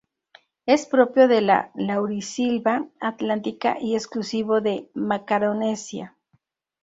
Es propio de la laurisilva atlantica y exclusivo de Macaronesia.